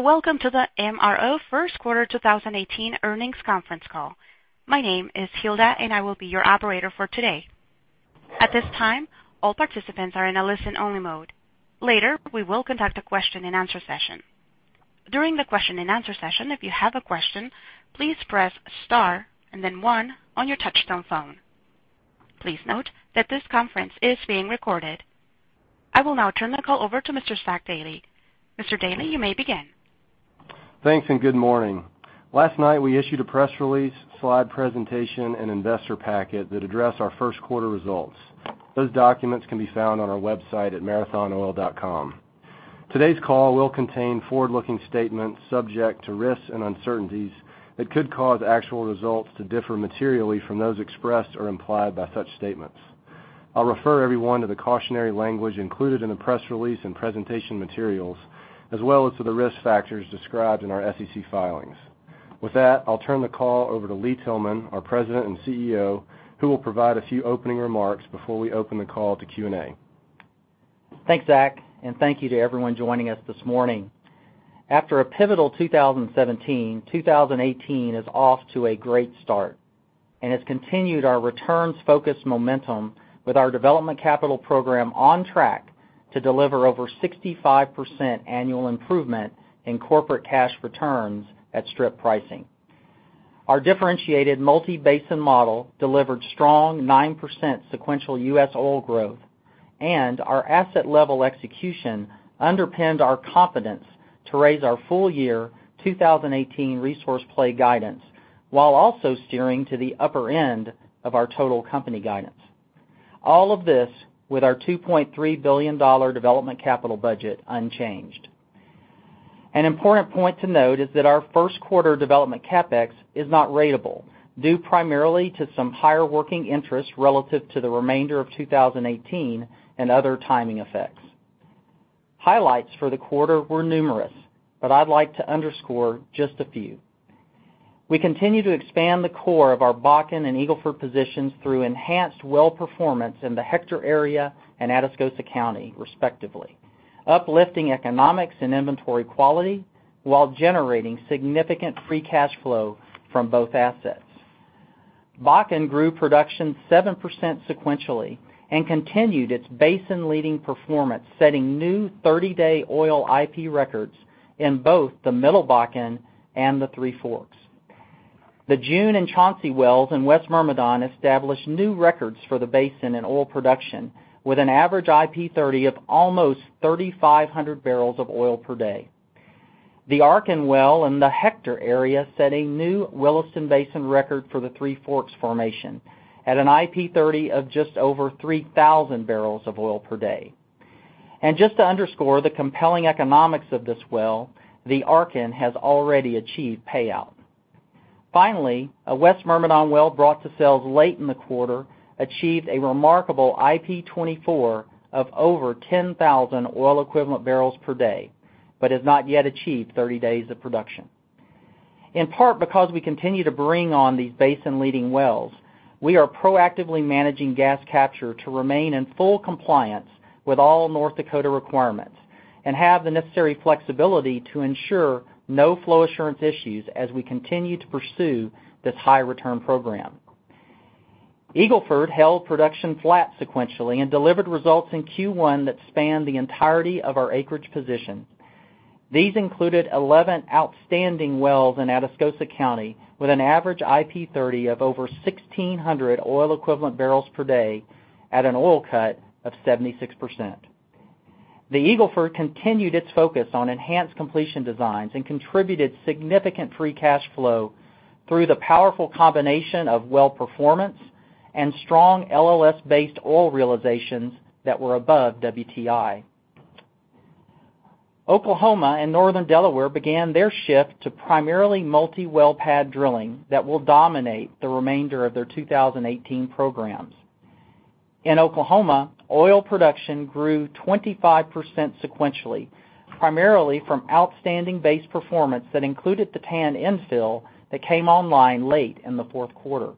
Welcome to the MRO first quarter 2018 earnings conference call. My name is Hilda, and I will be your operator for today. At this time, all participants are in a listen-only mode. Later, we will conduct a question and answer session. During the question and answer session, if you have a question, please press star and then one on your touchtone phone. Please note that this conference is being recorded. I will now turn the call over to Mr. Zach Dailey. Mr. Dailey, you may begin. Thanks, and good morning. Last night, we issued a press release, slide presentation, and investor packet that address our first quarter results. Those documents can be found on our website at marathonoil.com. Today's call will contain forward-looking statements subject to risks and uncertainties that could cause actual results to differ materially from those expressed or implied by such statements. I'll refer everyone to the cautionary language included in the press release and presentation materials, as well as to the risk factors described in our SEC filings. With that, I'll turn the call over to Lee Tillman, our President and CEO, who will provide a few opening remarks before we open the call to Q&A. Thanks, Zach, and thank you to everyone joining us this morning. After a pivotal 2017, 2018 is off to a great start and has continued our returns-focused momentum with our development capital program on track to deliver over 65% annual improvement in corporate cash returns at strip pricing. Our differentiated multi-basin model delivered strong 9% sequential U.S. oil growth, and our asset level execution underpinned our confidence to raise our full year 2018 resource play guidance, while also steering to the upper end of our total company guidance. All of this with our $2.3 billion development capital budget unchanged. An important point to note is that our first quarter development CapEx is not ratable, due primarily to some higher working interest relative to the remainder of 2018 and other timing effects. Highlights for the quarter were numerous, but I'd like to underscore just a few. We continue to expand the core of our Bakken and Eagle Ford positions through enhanced well performance in the Hector area and Atascosa County, respectively, uplifting economics and inventory quality while generating significant free cash flow from both assets. Bakken grew production 7% sequentially and continued its basin leading performance, setting new 30-day oil IP records in both the Middle Bakken and the Three Forks. The June and Chauncey wells in West Myrmidon established new records for the basin in oil production, with an average IP 30 of almost 3,500 barrels of oil per day. The Arkin well in the Hector area set a new Williston Basin record for the Three Forks formation at an IP 30 of just over 3,000 barrels of oil per day. Just to underscore the compelling economics of this well, the Arkin has already achieved payout. Finally, a West Myrmidon well brought to sales late in the quarter achieved a remarkable IP 24 of over 10,000 oil equivalent barrels per day, but has not yet achieved 30 days of production. In part because we continue to bring on these basin leading wells, we are proactively managing gas capture to remain in full compliance with all North Dakota requirements and have the necessary flexibility to ensure no flow assurance issues as we continue to pursue this high return program. Eagle Ford held production flat sequentially and delivered results in Q1 that span the entirety of our acreage position. These included 11 outstanding wells in Atascosa County, with an average IP 30 of over 1,600 oil equivalent barrels per day at an oil cut of 76%. The Eagle Ford continued its focus on enhanced completion designs and contributed significant free cash flow through the powerful combination of well performance and strong LLS-based oil realizations that were above WTI. Oklahoma and Northern Delaware began their shift to primarily multi-well pad drilling that will dominate the remainder of their 2018 programs. In Oklahoma, oil production grew 25% sequentially, primarily from outstanding base performance that included the Pan infill that came online late in the fourth quarter.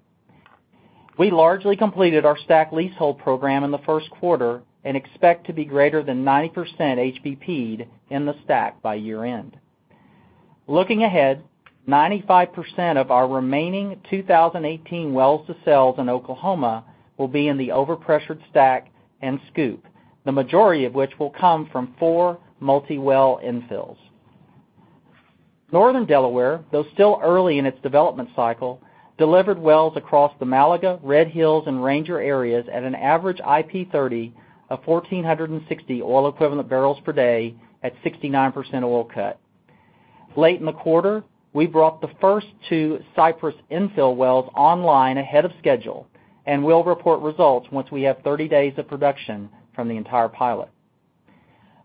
We largely completed our STACK leasehold program in the first quarter and expect to be greater than 90% HBP'd in the STACK by year end. Looking ahead, 95% of our remaining 2018 wells to sell in Oklahoma will be in the overpressured STACK and SCOOP, the majority of which will come from four multi-well infills. Northern Delaware, though still early in its development cycle, delivered wells across the Malaga, Red Hills, and Ranger areas at an average IP 30 of 1,460 oil equivalent barrels per day at 69% oil cut. Late in the quarter, we brought the first two Cypress infill wells online ahead of schedule and will report results once we have 30 days of production from the entire pilot.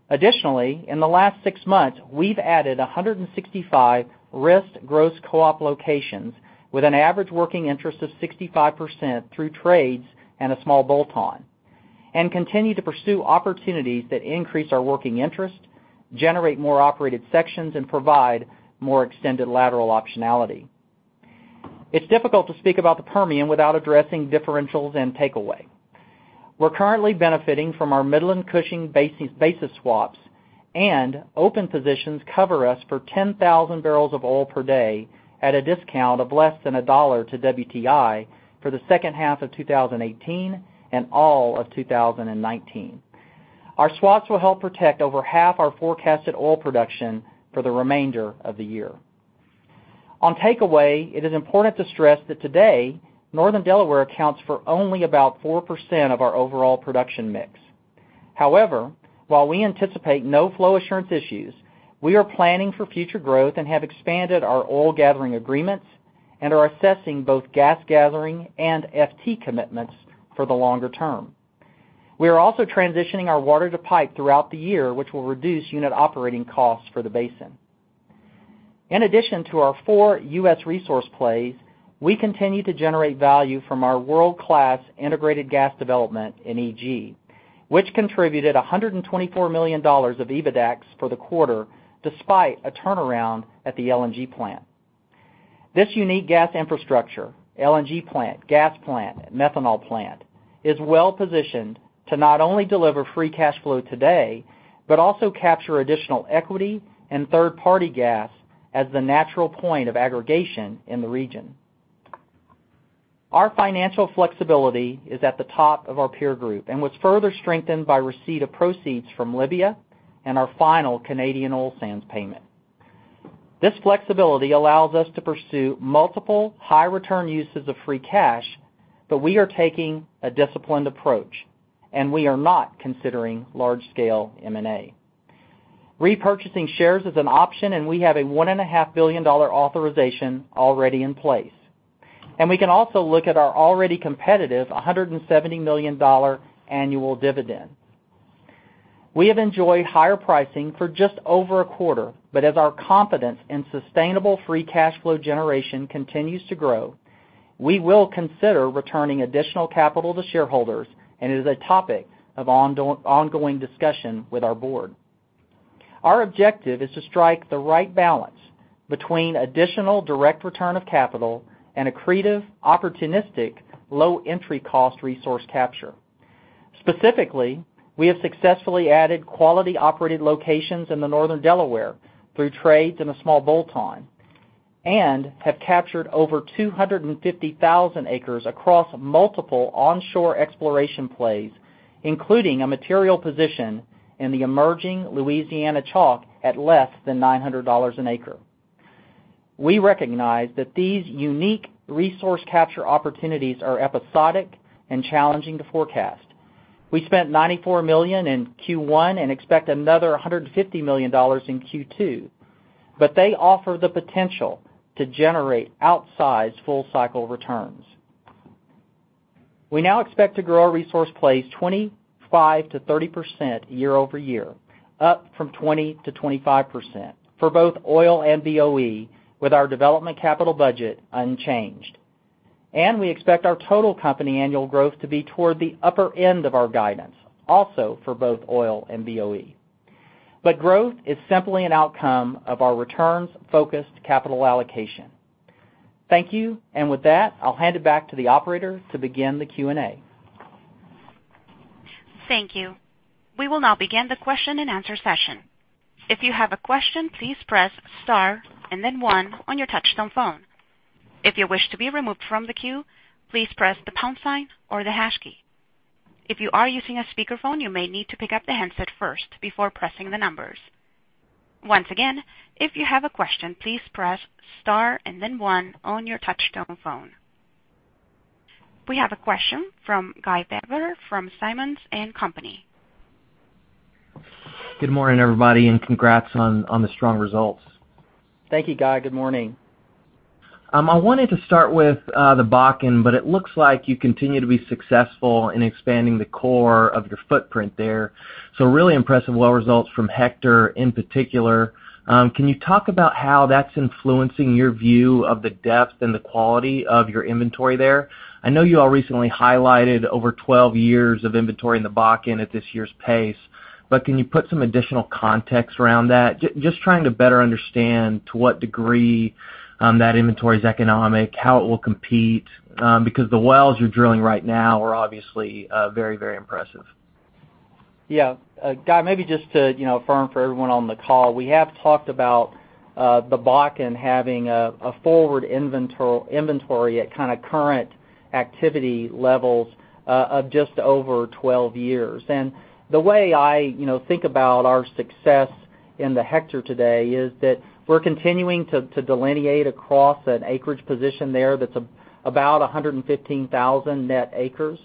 Additionally, in the last six months, we've added 165 risked gross co-op locations with an average working interest of 65% through trades and a small bolt-on, and continue to pursue opportunities that increase our working interest, generate more operated sections, and provide more extended lateral optionality. It's difficult to speak about the Permian without addressing differentials and takeaway. We're currently benefiting from our Midland-Cushing basis swaps, and open positions cover us for 10,000 barrels of oil per day at a discount of less than $1 to WTI for the second half of 2018 and all of 2019. Our swaps will help protect over half our forecasted oil production for the remainder of the year. On takeaway, it is important to stress that today, Northern Delaware accounts for only about 4% of our overall production mix. However, while we anticipate no flow assurance issues, we are planning for future growth and have expanded our oil gathering agreements and are assessing both gas gathering and FT commitments for the longer term. We are also transitioning our water to pipe throughout the year, which will reduce unit operating costs for the basin. In addition to our four U.S. resource plays, we continue to generate value from our world-class integrated gas development in EG, which contributed $124 million of EBITDAX for the quarter, despite a turnaround at the LNG plant. This unique gas infrastructure, LNG plant, gas plant, methanol plant, is well positioned to not only deliver free cash flow today, but also capture additional equity and third-party gas as the natural point of aggregation in the region. Our financial flexibility is at the top of our peer group and was further strengthened by receipt of proceeds from Libya and our final Canadian oil sands payment. This flexibility allows us to pursue multiple high-return uses of free cash, but we are taking a disciplined approach, and we are not considering large-scale M&A. Repurchasing shares is an option, and we have a $1.5 billion authorization already in place, and we can also look at our already competitive $170 million annual dividend. We have enjoyed higher pricing for just over a quarter, but as our confidence in sustainable free cash flow generation continues to grow, we will consider returning additional capital to shareholders, and it is a topic of ongoing discussion with our board. Our objective is to strike the right balance between additional direct return of capital and accretive, opportunistic, low entry cost resource capture. Specifically, we have successfully added quality operated locations in the Northern Delaware through trades and a small bolt-on and have captured over 250,000 acres across multiple onshore exploration plays, including a material position in the emerging Louisiana Chalk at less than $900 an acre. We recognize that these unique resource capture opportunities are episodic and challenging to forecast. We spent $94 million in Q1 and expect another $150 million in Q2, but they offer the potential to generate outsized full cycle returns. We now expect to grow our resource plays 25%-30% year-over-year, up from 20%-25% for both oil and BOE, with our development capital budget unchanged. And we expect our total company annual growth to be toward the upper end of our guidance, also for both oil and BOE. Growth is simply an outcome of our returns-focused capital allocation. Thank you. And with that, I'll hand it back to the operator to begin the Q&A. Thank you. We will now begin the question and answer session. If you have a question, please press star and then one on your touchtone phone. If you wish to be removed from the queue, please press the pound sign or the hash key. If you are using a speakerphone, you may need to pick up the handset first before pressing the numbers. Once again, if you have a question, please press star and then one on your touchtone phone. We have a question from Guy Baber from Simmons & Company. Good morning, everybody, and congrats on the strong results. Thank you, Guy. Good morning. I wanted to start with the Bakken, but it looks like you continue to be successful in expanding the core of your footprint there. Really impressive well results from Hector in particular. Can you talk about how that's influencing your view of the depth and the quality of your inventory there? I know you all recently highlighted over 12 years of inventory in the Bakken at this year's pace, but can you put some additional context around that? Trying to better understand to what degree that inventory is economic, how it will compete, because the wells you're drilling right now are obviously very impressive. Yeah. Guy, maybe just to affirm for everyone on the call, we have talked about the Bakken having a forward inventory at kind of current activity levels of just over 12 years. The way I think about our success in the Hector today is that we're continuing to delineate across an acreage position there that's about 115,000 net acres.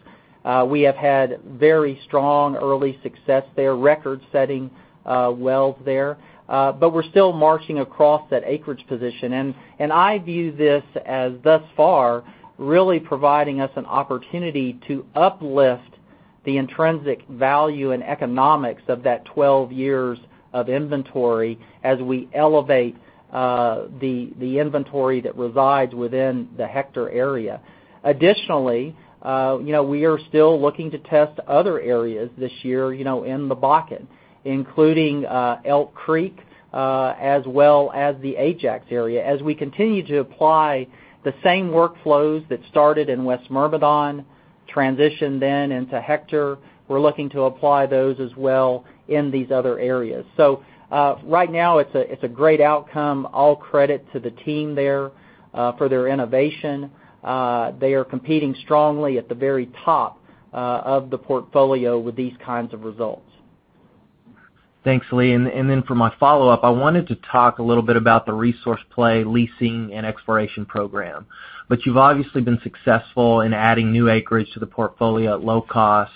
We have had very strong early success there, record-setting wells there, but we're still marching across that acreage position. I view this as thus far really providing us an opportunity to uplift the intrinsic value and economics of that 12 years of inventory as we elevate the inventory that resides within the Hector area. Additionally, we are still looking to test other areas this year in the Bakken, including Elk Creek as well as the Ajax area, as we continue to apply the same workflows that started in West Myrmidon Transition then into Hector. We're looking to apply those as well in these other areas. Right now it's a great outcome. All credit to the team there, for their innovation. They are competing strongly at the very top of the portfolio with these kinds of results. Thanks, Lee. Then for my follow-up, I wanted to talk a little bit about the resource play leasing and exploration program. You've obviously been successful in adding new acreage to the portfolio at low cost.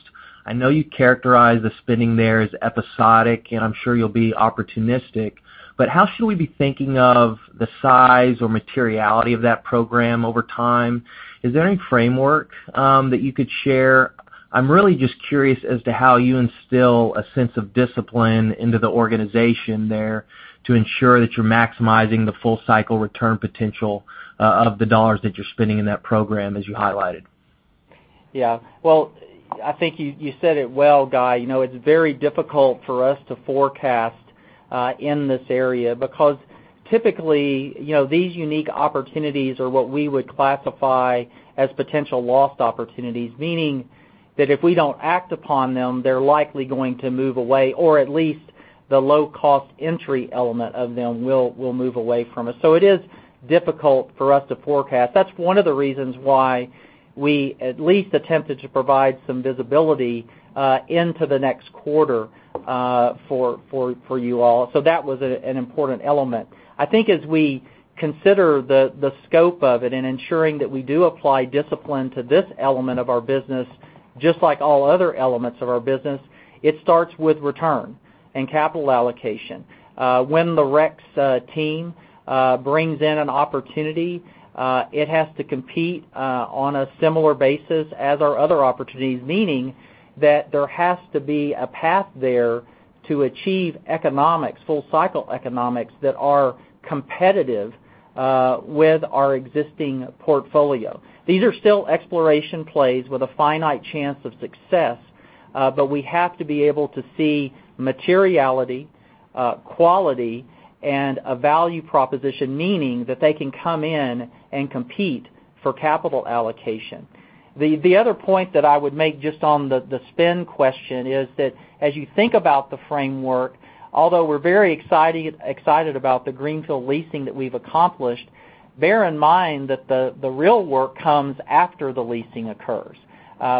I know you characterize the spending there as episodic, and I'm sure you'll be opportunistic, but how should we be thinking of the size or materiality of that program over time? Is there any framework that you could share? I'm really just curious as to how you instill a sense of discipline into the organization there to ensure that you're maximizing the full cycle return potential of the dollars that you're spending in that program, as you highlighted. Yeah. Well, I think you said it well, Guy. It's very difficult for us to forecast in this area because typically, these unique opportunities are what we would classify as potential lost opportunities. Meaning that if we don't act upon them, they're likely going to move away, or at least the low-cost entry element of them will move away from us. It is difficult for us to forecast. That's one of the reasons why we at least attempted to provide some visibility into the next quarter for you all. That was an important element. I think as we consider the scope of it and ensuring that we do apply discipline to this element of our business, just like all other elements of our business, it starts with return and capital allocation. When the rec team brings in an opportunity, it has to compete on a similar basis as our other opportunities, meaning that there has to be a path there to achieve economics, full cycle economics that are competitive with our existing portfolio. These are still exploration plays with a finite chance of success, but we have to be able to see materiality, quality, and a value proposition, meaning that they can come in and compete for capital allocation. The other point that I would make just on the spend question is that as you think about the framework, although we're very excited about the greenfield leasing that we've accomplished, bear in mind that the real work comes after the leasing occurs.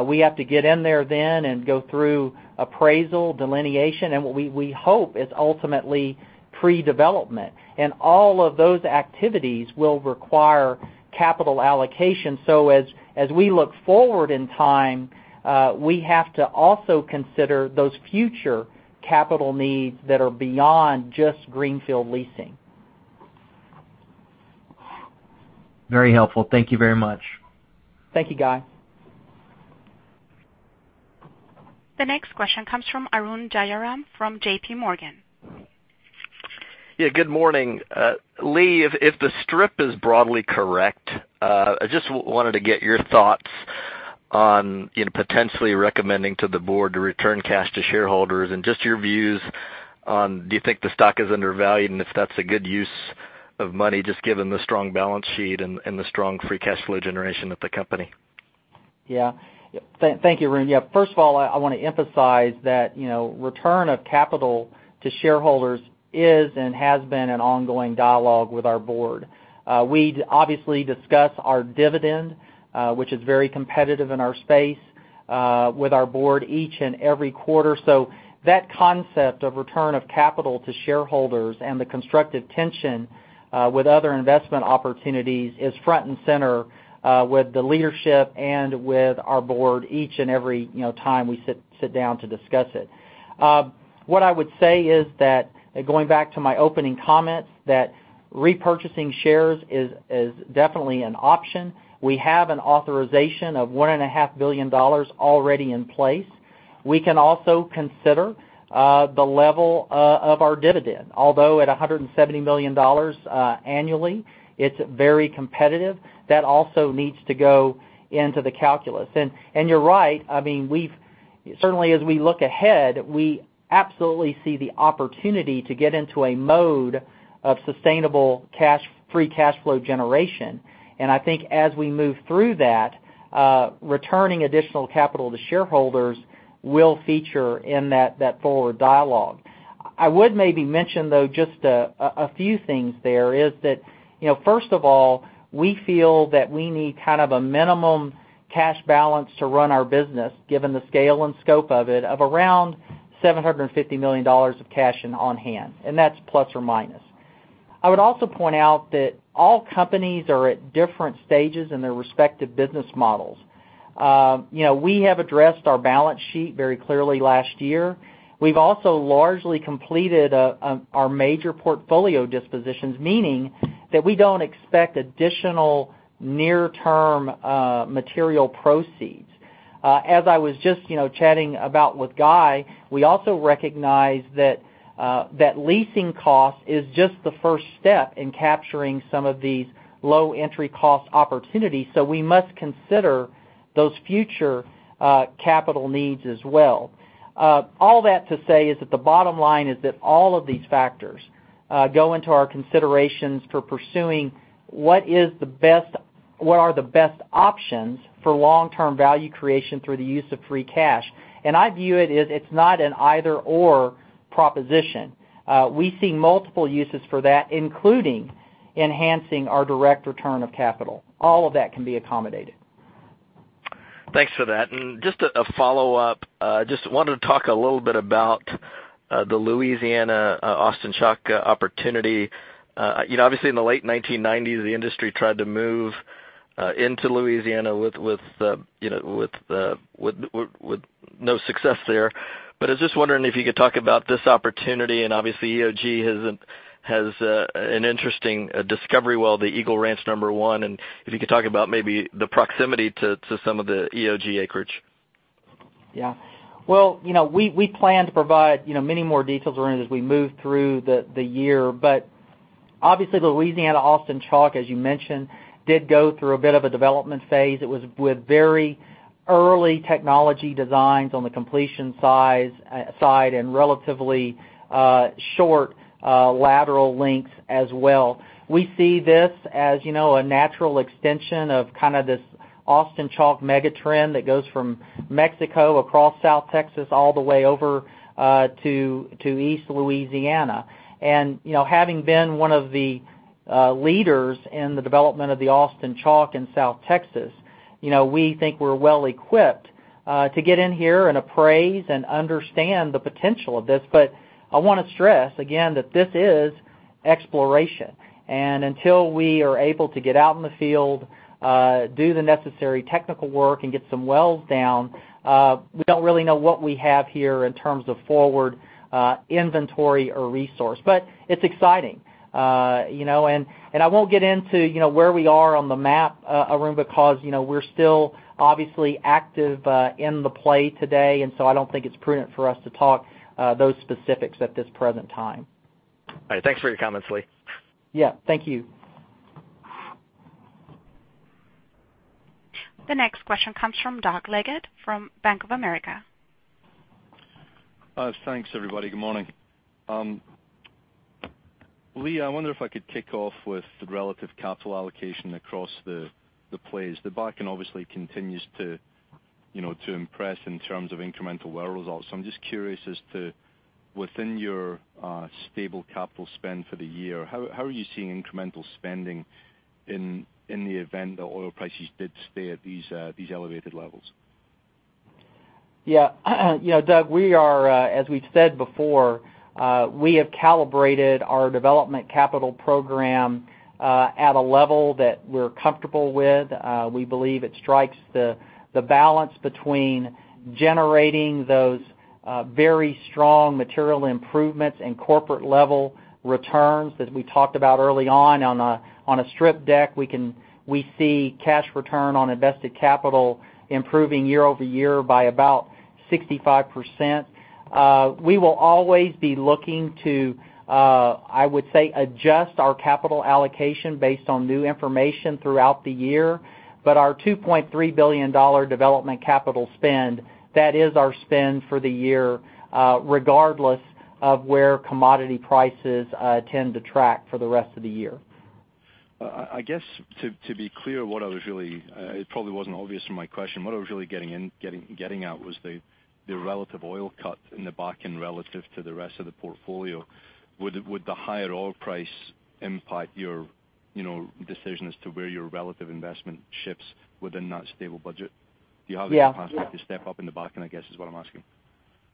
We have to get in there then and go through appraisal, delineation, and what we hope is ultimately pre-development. All of those activities will require capital allocation. As we look forward in time, we have to also consider those future capital needs that are beyond just greenfield leasing. Very helpful. Thank you very much. Thank you, Guy. The next question comes from Arun Jayaram, from JPMorgan. Yeah, good morning. Lee, if the strip is broadly correct, I just wanted to get your thoughts on potentially recommending to the board to return cash to shareholders and just your views on, do you think the stock is undervalued and if that's a good use of money, just given the strong balance sheet and the strong free cash flow generation of the company? Thank you, Arun. First of all, I want to emphasize that return of capital to shareholders is and has been an ongoing dialogue with our board. We obviously discuss our dividend, which is very competitive in our space, with our board each and every quarter. That concept of return of capital to shareholders and the constructive tension with other investment opportunities is front and center with the leadership and with our board each and every time we sit down to discuss it. What I would say is that, going back to my opening comments, that repurchasing shares is definitely an option. We have an authorization of $1.5 billion already in place. We can also consider the level of our dividend. Although at $170 million annually, it's very competitive. That also needs to go into the calculus. You're right, certainly as we look ahead, we absolutely see the opportunity to get into a mode of sustainable free cash flow generation. I think as we move through that, returning additional capital to shareholders will feature in that forward dialogue. I would maybe mention, though, just a few things there is that, first of all, we feel that we need kind of a minimum cash balance to run our business, given the scale and scope of it, of around $750 million of cash on hand, and that's plus or minus. I would also point out that all companies are at different stages in their respective business models. We have addressed our balance sheet very clearly last year. We've also largely completed our major portfolio dispositions, meaning that we don't expect additional near-term material proceeds. As I was just chatting about with Guy, we also recognize that leasing cost is just the first step in capturing some of these low entry cost opportunities, so we must consider those future capital needs as well. All that to say is that the bottom line is that all of these factors go into our considerations for pursuing what are the best options for long-term value creation through the use of free cash. I view it as it's not an either/or proposition. We see multiple uses for that, including enhancing our direct return of capital. All of that can be accommodated. Thanks for that. Just a follow-up. Just wanted to talk a little bit about the Louisiana Austin Chalk opportunity. Obviously, in the late 1990s, the industry tried to move into Louisiana with no success there. I was just wondering if you could talk about this opportunity, and obviously EOG has an interesting discovery well, the Eagle Ranch number one, and if you could talk about maybe the proximity to some of the EOG acreage. Well, we plan to provide many more details, Arun, as we move through the year. Obviously, Louisiana Austin Chalk, as you mentioned, did go through a bit of a development phase. It was with very early technology designs on the completion side and relatively short lateral lengths as well. We see this as a natural extension of this Austin Chalk mega trend that goes from Mexico across South Texas, all the way over to East Louisiana. Having been one of the leaders in the development of the Austin Chalk in South Texas, we think we're well-equipped to get in here and appraise and understand the potential of this. I want to stress again that this is exploration, and until we are able to get out in the field, do the necessary technical work, and get some wells down, we don't really know what we have here in terms of forward inventory or resource. It's exciting. I won't get into where we are on the map, Arun, because we're still obviously active in the play today, so I don't think it's prudent for us to talk those specifics at this present time. All right. Thanks for your comments, Lee. Yeah. Thank you. The next question comes from Doug Leggate from Bank of America. Thanks, everybody. Good morning. Lee, I wonder if I could kick off with the relative capital allocation across the plays. The Bakken obviously continues to impress in terms of incremental well results. I'm just curious as to, within your stable capital spend for the year, how are you seeing incremental spending in the event that oil prices did stay at these elevated levels? Yeah. Doug, as we've said before, we have calibrated our development capital program at a level that we're comfortable with. We believe it strikes the balance between generating those very strong material improvements and corporate level returns that we talked about early on a strip deck. We see cash return on invested capital improving year-over-year by about 65%. We will always be looking to, I would say, adjust our capital allocation based on new information throughout the year. Our $2.3 billion development capital spend, that is our spend for the year, regardless of where commodity prices tend to track for the rest of the year. I guess, to be clear, it probably wasn't obvious from my question. What I was really getting at was the relative oil cut in the Bakken, relative to the rest of the portfolio. Would the higher oil price impact your decision as to where your relative investment shifts within that stable budget? Yeah. Do you have any capacity to step up in the Bakken, I guess, is what I'm asking.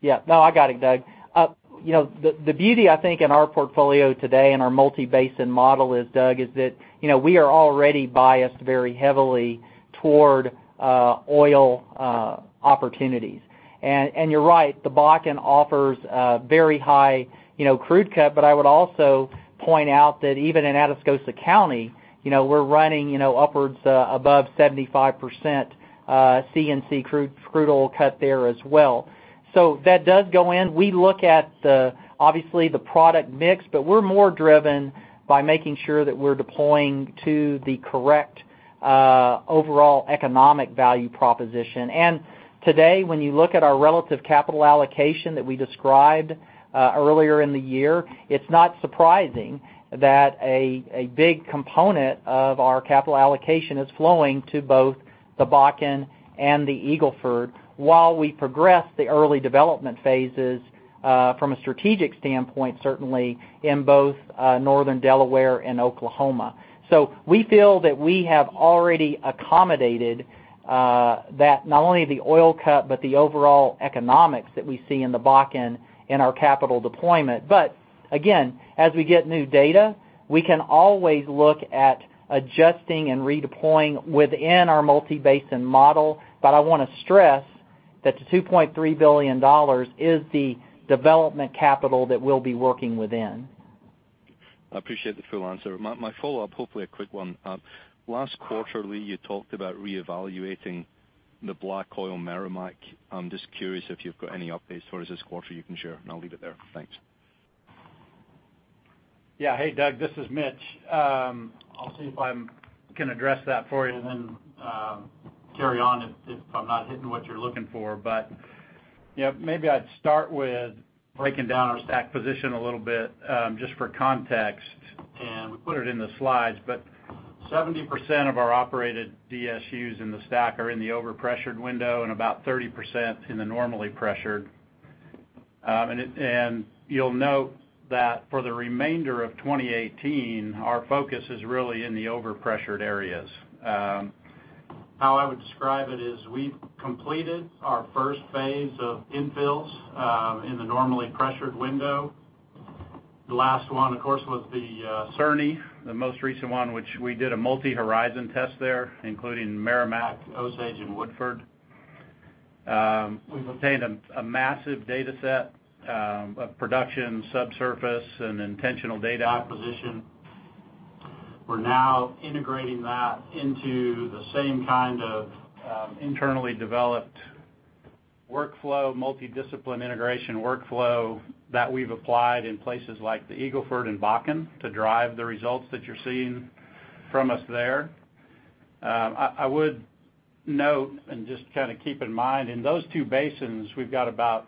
Yeah. I got it, Doug. The beauty, I think, in our portfolio today and our multi-basin model is that we are already biased very heavily toward oil opportunities. You're right, the Bakken offers a very high crude cut. I would also point out that even in Atascosa County, we're running upwards above 75% C and C crude oil cut there as well. That does go in. We look at obviously the product mix, we're more driven by making sure that we're deploying to the correct overall economic value proposition. Today, when you look at our relative capital allocation that we described earlier in the year, it's not surprising that a big component of our capital allocation is flowing to both the Bakken and the Eagle Ford. While we progress the early development phases, from a strategic standpoint, certainly in both Northern Delaware and Oklahoma. We feel that we have already accommodated that, not only the oil cut, but the overall economics that we see in the Bakken in our capital deployment. Again, as we get new data, we can always look at adjusting and redeploying within our multi-basin model. I want to stress that the $2.3 billion is the development capital that we'll be working within. I appreciate the full answer. My follow-up, hopefully a quick one. Last quarter, Lee, you talked about reevaluating the black oil Meramec. I'm just curious if you've got any updates for us this quarter you can share, and I'll leave it there. Thanks. Yeah. Hey, Doug, this is Mitch. I'll see if I can address that for you and then carry on if I'm not hitting what you're looking for. Yeah. Maybe I'd start with breaking down our STACK position a little bit, just for context. We put it in the slides, but 70% of our operated DSUs in the STACK are in the over-pressured window, and about 30% in the normally pressured. You'll note that for the remainder of 2018, our focus is really in the over-pressured areas. How I would describe it is we've completed our first phase of infills, in the normally pressured window. The last one, of course, was the Carney, the most recent one, which we did a multi-horizon test there, including Meramec, Osage, and Woodford. We've obtained a massive data set of production, subsurface, and intentional data acquisition. We're now integrating that into the same kind of internally developed workflow, multi-discipline integration workflow, that we've applied in places like the Eagle Ford and Bakken to drive the results that you're seeing from us there. I would note, and just kind of keep in mind, in those two basins, we've got about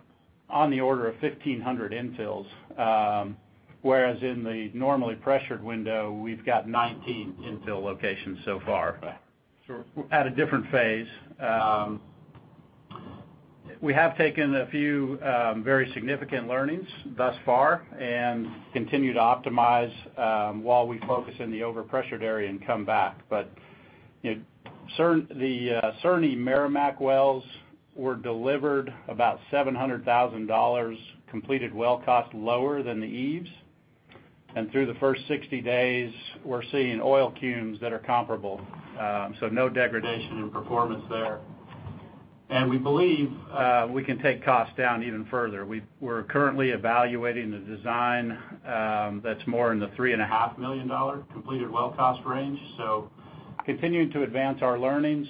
on the order of 1,500 infills. Whereas in the normally pressured window, we've got 19 infill locations so far. At a different phase. We have taken a few very significant learnings thus far and continue to optimize while we focus in the over-pressured area and come back. The Carney Meramec wells were delivered about $700,000 completed well cost lower than the Eves. Through the first 60 days, we're seeing oil cumes that are comparable. No degradation in performance there. We believe we can take costs down even further. We're currently evaluating the design that's more in the $3.5 million completed well cost range. Continuing to advance our learnings,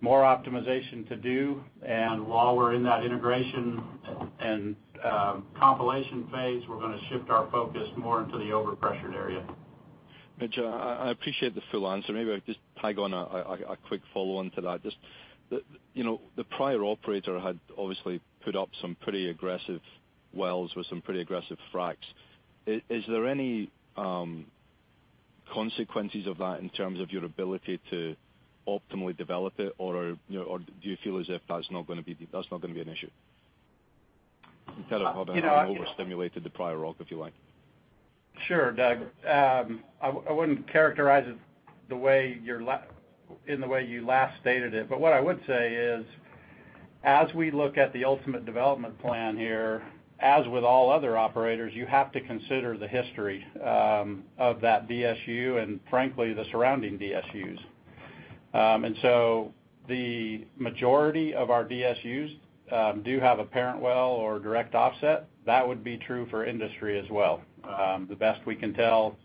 more optimization to do, while we're in that integration and compilation phase, we're going to shift our focus more into the over-pressured area. Mitch, I appreciate the full answer. Maybe I'll just tag on a quick follow-on to that. The prior operator had obviously put up some pretty aggressive wells with some pretty aggressive fracs. Is there any consequences of that in terms of your ability to optimally develop it, or do you feel as if that's not going to be an issue? You know, In terms of how they overstimulated the prior rock, if you like. Sure, Doug. I wouldn't characterize it in the way you last stated it. What I would say is, as we look at the ultimate development plan here, as with all other operators, you have to consider the history of that DSU and frankly, the surrounding DSUs. The majority of our DSUs do have a parent well or direct offset. That would be true for industry as well. The best we can tell,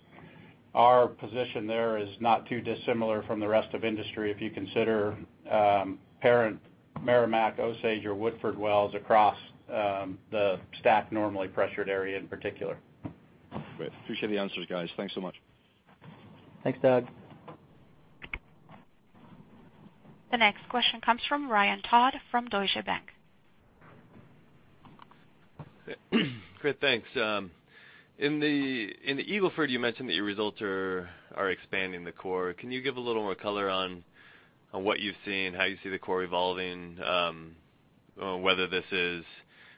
our position there is not too dissimilar from the rest of industry if you consider parent Meramec, Osage, or Woodford wells across the STACK normally pressured area in particular. Great. Appreciate the answers, guys. Thanks so much. Thanks, Doug. The next question comes from Ryan Todd from Deutsche Bank. Great. Thanks. In the Eagle Ford, you mentioned that your results are expanding the core. Can you give a little more color on what you've seen, how you see the core evolving? Whether this is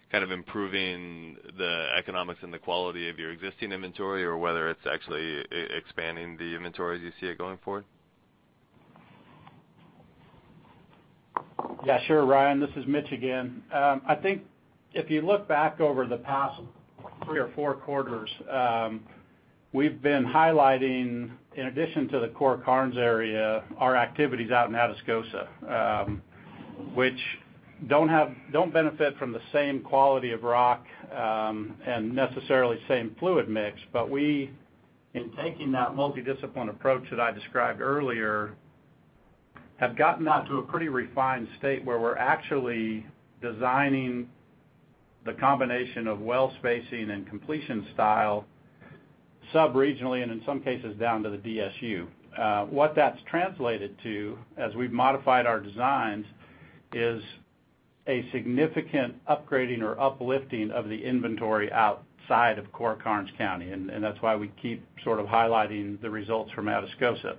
kind of improving the economics and the quality of your existing inventory, or whether it's actually expanding the inventory as you see it going forward? Yeah, sure, Ryan. This is Mitch again. If you look back over the past three or four quarters, we've been highlighting, in addition to the Core Karnes area, our activities out in Atascosa, which don't benefit from the same quality of rock, and necessarily the same fluid mix. We, in taking that multi-discipline approach that I described earlier, have gotten that to a pretty refined state where we're actually designing the combination of well spacing and completion style sub-regionally, and in some cases, down to the DSU. What that's translated to, as we've modified our designs, is a significant upgrading or uplifting of the inventory outside of Core Karnes County, and that's why we keep sort of highlighting the results from Atascosa.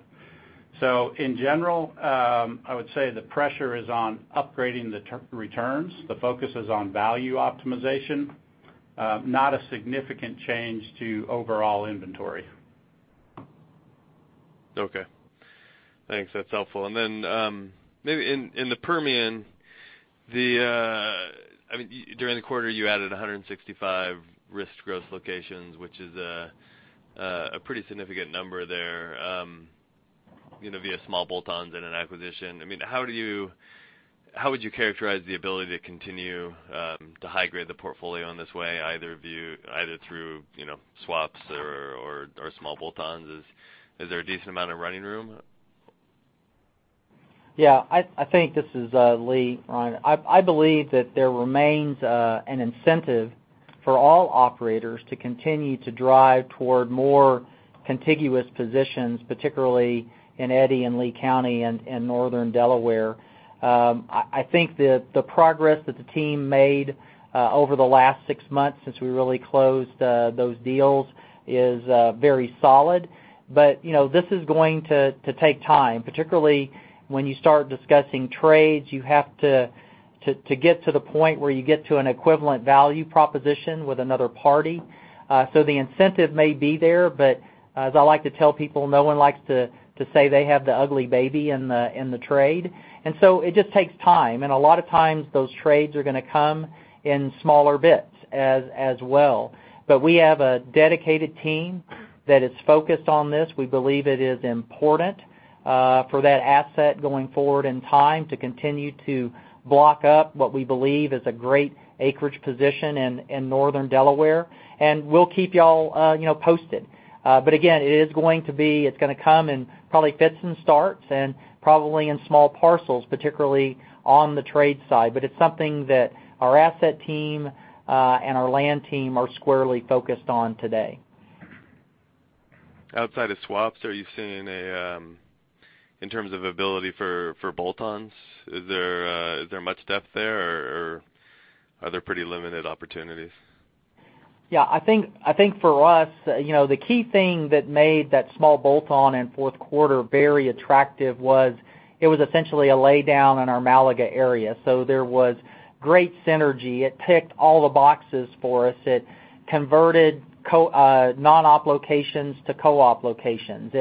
In general, I would say the pressure is on upgrading the returns. The focus is on value optimization, not a significant change to overall inventory. Okay. Thanks. That's helpful. Then maybe in the Permian, during the quarter, you added 165 risked gross locations, which is a pretty significant number there via small bolt-ons and an acquisition. How would you characterize the ability to continue to high-grade the portfolio in this way, either through swaps or small bolt-ons? Is there a decent amount of running room? Yeah. This is Lee, Ryan. I believe that there remains an incentive for all operators to continue to drive toward more contiguous positions, particularly in Eddy and Lea County and Northern Delaware. I think that the progress that the team made over the last six months since we really closed those deals is very solid. This is going to take time, particularly when you start discussing trades, you have to get to the point where you get to an equivalent value proposition with another party. The incentive may be there, but as I like to tell people, no one likes to say they have the ugly baby in the trade. It just takes time, and a lot of times those trades are going to come in smaller bits as well. We have a dedicated team that is focused on this. We believe it is important for that asset going forward in time to continue to block up what we believe is a great acreage position in Northern Delaware, and we'll keep you all posted. Again, it's going to come in probably fits and starts and probably in small parcels, particularly on the trade side. It's something that our asset team and our land team are squarely focused on today. Outside of swaps, are you seeing, in terms of ability for bolt-ons, is there much depth there, or are there pretty limited opportunities? Yeah, I think for us, the key thing that made that small bolt-on in fourth quarter very attractive was it was essentially a laydown in our Malaga area. There was great synergy. It ticked all the boxes for us. It converted non-op locations to co-op locations.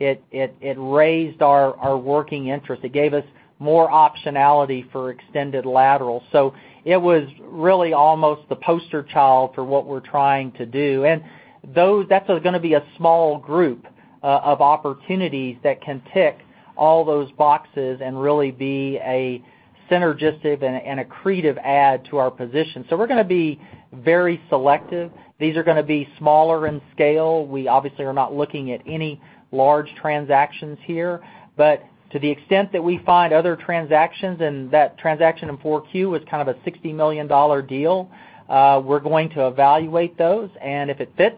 It raised our working interest. It gave us more optionality for extended lateral. It was really almost the poster child for what we're trying to do. That's going to be a small group of opportunities that can tick all those boxes and really be a synergistic and accretive add to our position. We're going to be very selective. These are going to be smaller in scale. We obviously are not looking at any large transactions here. To the extent that we find other transactions, that transaction in 4Q was kind of a $60 million deal, we're going to evaluate those, and if it fits,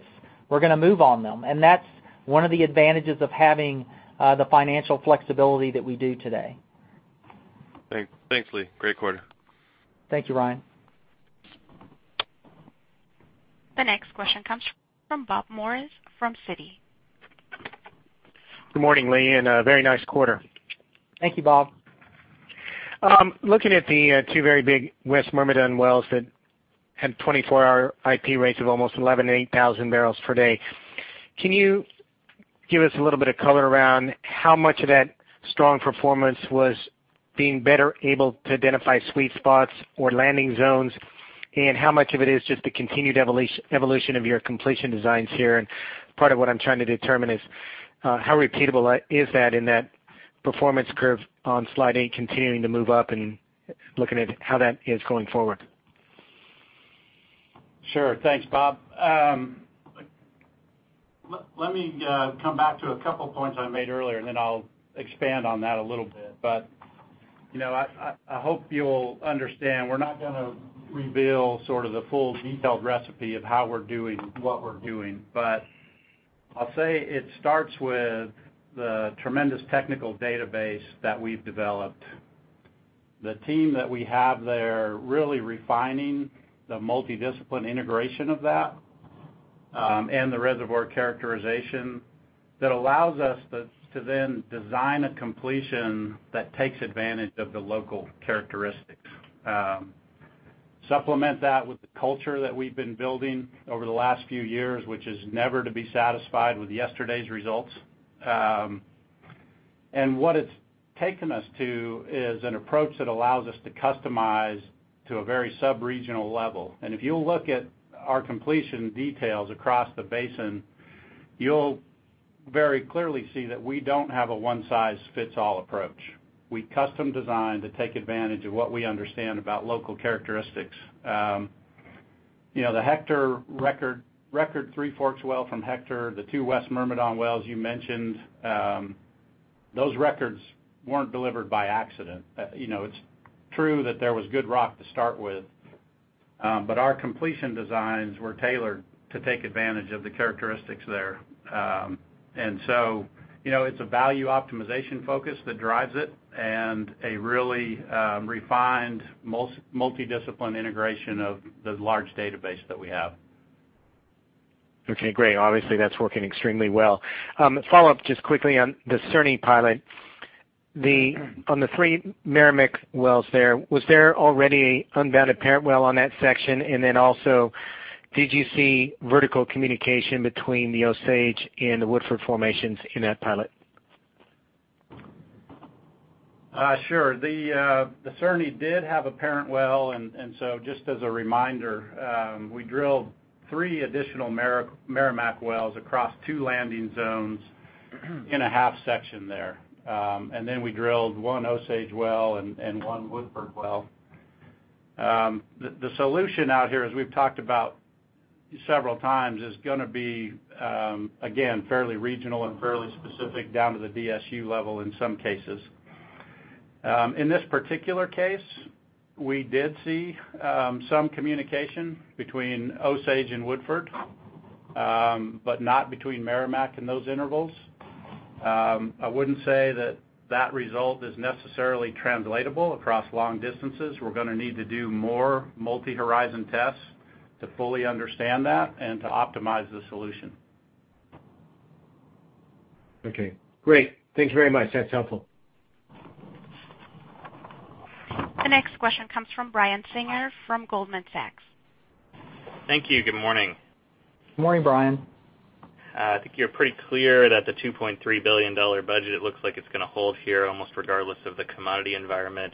we're going to move on them. That's one of the advantages of having the financial flexibility that we do today. Thanks, Lee. Great quarter. Thank you, Ryan. The next question comes from Bob Morris from Citi. Good morning, Lee, and a very nice quarter. Thank you, Bob. Looking at the two very big West Myrmidon wells that had 24-hour IP rates of almost 11,000, 8,000 barrels per day. Can you give us a little bit of color around how much of that strong performance was being better able to identify sweet spots or landing zones, and how much of it is just the continued evolution of your completion designs here? Part of what I'm trying to determine is how repeatable is that in that performance curve on Slide 8 continuing to move up and looking at how that is going forward. Sure. Thanks, Bob. Let me come back to a couple points I made earlier. Then I'll expand on that a little bit. I hope you'll understand we're not going to reveal sort of the full detailed recipe of how we're doing what we're doing. I'll say it starts with the tremendous technical database that we've developed. The team that we have there really refining the multi-discipline integration of that, and the reservoir characterization that allows us to then design a completion that takes advantage of the local characteristics. Supplement that with the culture that we've been building over the last few years, which is never to be satisfied with yesterday's results. What it's taken us to is an approach that allows us to customize to a very subregional level. If you'll look at our completion details across the basin, you'll very clearly see that we don't have a one size fits all approach. We custom design to take advantage of what we understand about local characteristics. The Hector record Three Forks well from Hector, the two West Myrmidon wells you mentioned, those records weren't delivered by accident. It's true that there was good rock to start with, our completion designs were tailored to take advantage of the characteristics there. It's a value optimization focus that drives it and a really refined multi-discipline integration of the large database that we have. Okay, great. Obviously, that's working extremely well. Follow up just quickly on the Carney pilot. On the three Meramec wells there, was there already unbounded parent well on that section? Did you see vertical communication between the Osage and the Woodford formations in that pilot? Sure. The Carney did have a parent well, just as a reminder, we drilled three additional Meramec wells across two landing zones in a half section there. We drilled one Osage well and one Woodford well. The solution out here, as we've talked about several times, is going to be, again, fairly regional and fairly specific down to the DSU level in some cases. In this particular case, we did see some communication between Osage and Woodford, but not between Meramec and those intervals. I wouldn't say that that result is necessarily translatable across long distances. We're going to need to do more multi-horizon tests to fully understand that and to optimize the solution. Okay, great. Thank you very much. That's helpful. The next question comes from Brian Singer from Goldman Sachs. Thank you. Good morning. Good morning, Brian. I think you're pretty clear that the $2.3 billion budget looks like it's going to hold here almost regardless of the commodity environment.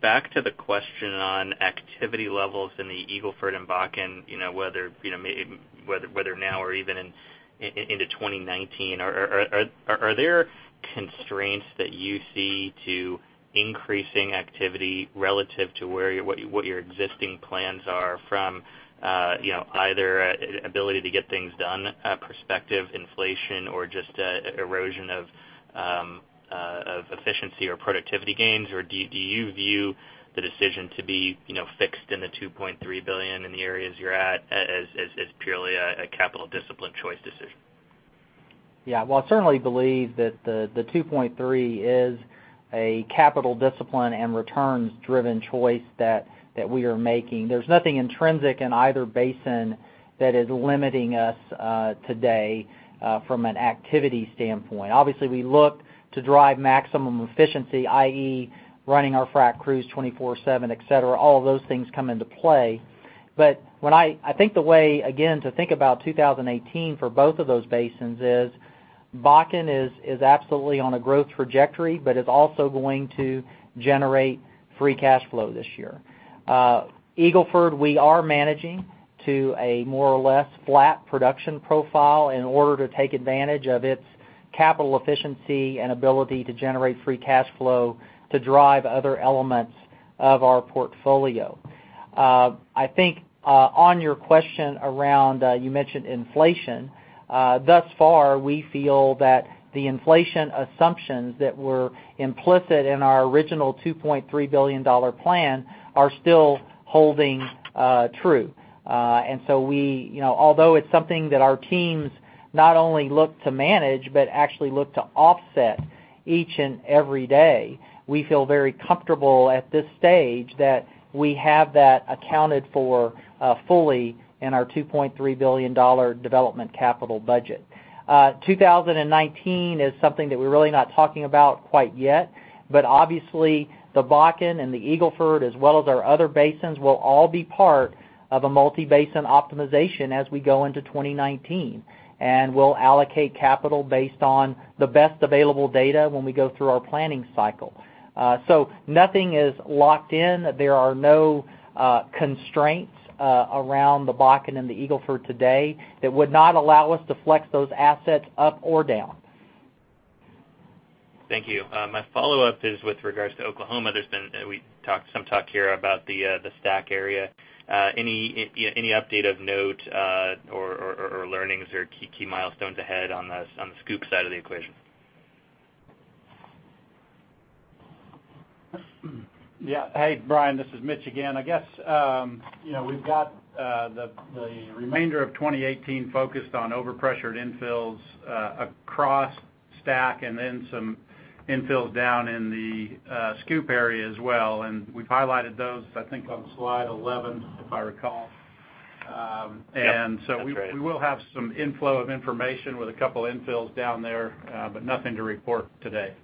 Back to the question on activity levels in the Eagle Ford and Bakken, whether now or even into 2019, are there constraints that you see to increasing activity relative to what your existing plans are from either ability to get things done, perspective inflation, or just erosion of efficiency or productivity gains? Do you view the decision to be fixed in the $2.3 billion in the areas you're at as purely a capital discipline choice decision? Yeah. Well, I certainly believe that the $2.3 is a capital discipline and returns driven choice that we are making. There's nothing intrinsic in either basin that is limiting us today from an activity standpoint. Obviously, we look to drive maximum efficiency, i.e., running our frac crews 24/7, et cetera. All of those things come into play. I think the way, again, to think about 2018 for both of those basins is Bakken is absolutely on a growth trajectory, but is also going to generate free cash flow this year. Eagle Ford, we are managing to a more or less flat production profile in order to take advantage of its capital efficiency and ability to generate free cash flow to drive other elements of our portfolio. I think on your question around, you mentioned inflation. Thus far, we feel that the inflation assumptions that were implicit in our original $2.3 billion plan are still holding true. Although it's something that our teams not only look to manage, but actually look to offset each and every day, we feel very comfortable at this stage that we have that accounted for fully in our $2.3 billion development capital budget. 2019 is something that we're really not talking about quite yet. Obviously, the Bakken and the Eagle Ford, as well as our other basins, will all be part of a multi-basin optimization as we go into 2019. We'll allocate capital based on the best available data when we go through our planning cycle. Nothing is locked in. There are no constraints around the Bakken and the Eagle Ford today that would not allow us to flex those assets up or down. Thank you. My follow-up is with regards to Oklahoma. There's been some talk here about the STACK area. Any update of note or learnings or key milestones ahead on the SCOOP side of the equation? Hey, Brian, this is Mitch again. I guess we've got the remainder of 2018 focused on over pressured infills across STACK and then some infills down in the SCOOP area as well, and we've highlighted those, I think, on slide 11, if I recall. Yep. That's right. We will have some inflow of information with a couple infills down there. Nothing to report today.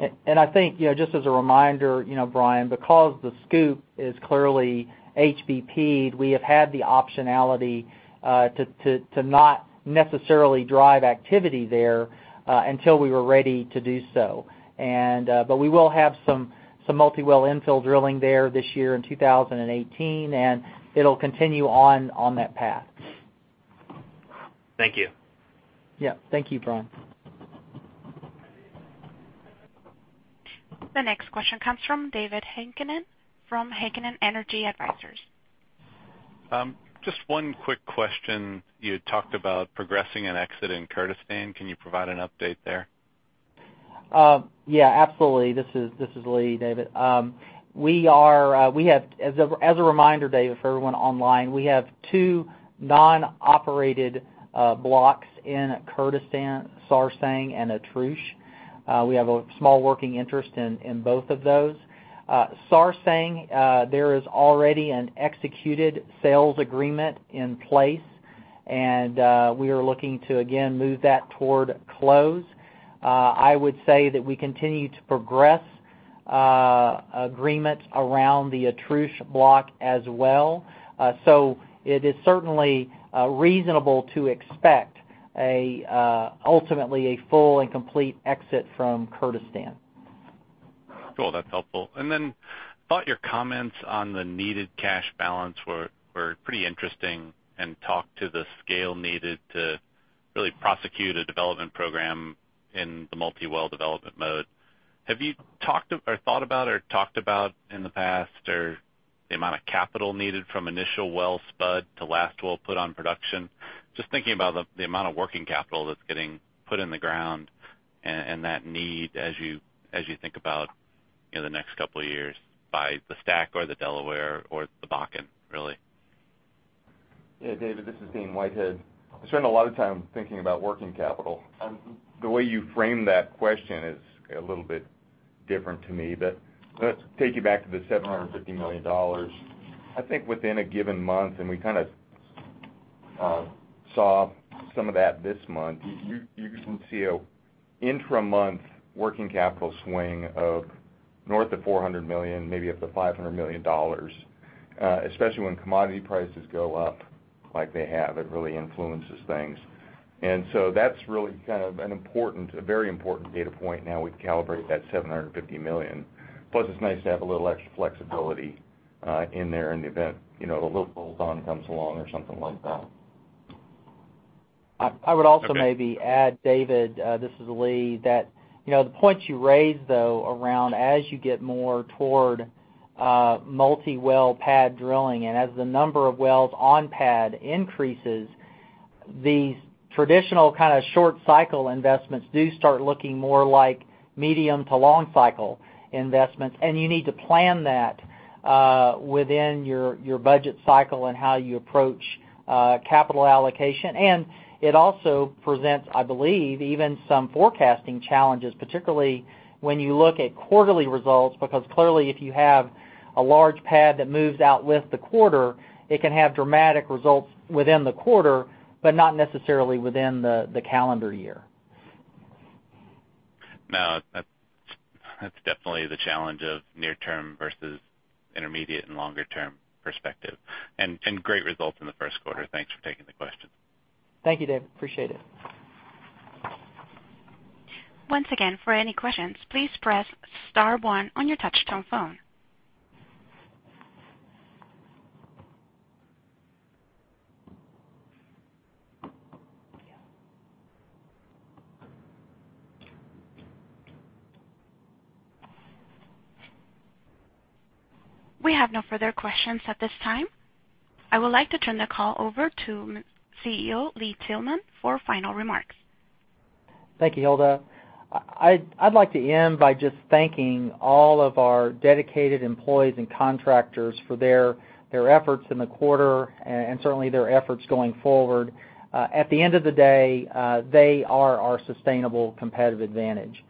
I think, just as a reminder, Brian, because the SCOOP is clearly HBP'd, we have had the optionality to not necessarily drive activity there until we were ready to do so. We will have some multi-well infill drilling there this year in 2018, and it'll continue on that path. Thank you. Thank you, Brian. The next question comes from David Heikkinen from Heikkinen Energy Advisors. Just one quick question. You had talked about progressing an exit in Kurdistan. Can you provide an update there? Yeah, absolutely. This is Lee, David. As a reminder, David, for everyone online, we have two non-operated blocks in Kurdistan, Sarsang and Atrush. We have a small working interest in both of those. Sarsang, there is already an executed sales agreement in place. We are looking to, again, move that toward close. I would say that we continue to progress agreements around the Atrush block as well. It is certainly reasonable to expect ultimately a full and complete exit from Kurdistan. Cool. That's helpful. Thought your comments on the needed cash balance were pretty interesting and talk to the scale needed to really prosecute a development program in the multi-well development mode. Have you thought about or talked about in the past or The amount of capital needed from initial well spud to last well put on production. Just thinking about the amount of working capital that's getting put in the ground and that need as you think about the next couple of years by the STACK or the Delaware or the Bakken, really. Yeah, David Heikkinen, this is Dane Whitehead. I spend a lot of time thinking about working capital. The way you framed that question is a little bit different to me, but let's take you back to the $750 million. I think within a given month, and we kind of saw some of that this month, you can see an intra-month working capital swing of north of $400 million, maybe up to $500 million, especially when commodity prices go up like they have. It really influences things. That's really a very important data point now we've calibrated that $750 million. Plus, it's nice to have a little extra flexibility in there in the event a little golden comes along or something like that. I would also maybe add, David Heikkinen, this is Lee Tillman, that the points you raised, though, around as you get more toward multi-well pad drilling, and as the number of wells on pad increases, these traditional kind of short cycle investments do start looking more like medium to long cycle investments. You need to plan that within your budget cycle and how you approach capital allocation. It also presents, I believe, even some forecasting challenges, particularly when you look at quarterly results, because clearly if you have a large pad that moves out with the quarter, it can have dramatic results within the quarter, but not necessarily within the calendar year. No, that's definitely the challenge of near term versus intermediate and longer term perspective. Great results in the first quarter. Thanks for taking the question. Thank you, David Heikkinen. Appreciate it. Once again, for any questions, please press *1 on your touch-tone phone. We have no further questions at this time. I would like to turn the call over to CEO Lee Tillman for final remarks. Thank you, Hilda. I'd like to end by just thanking all of our dedicated employees and contractors for their efforts in the quarter, and certainly their efforts going forward. At the end of the day, they are our sustainable competitive advantage.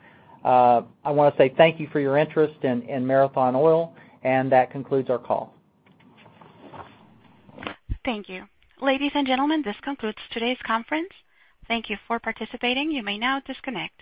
I want to say thank you for your interest in Marathon Oil, that concludes our call. Thank you. Ladies and gentlemen, this concludes today's conference. Thank you for participating. You may now disconnect.